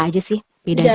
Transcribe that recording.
apa aja sih bedanya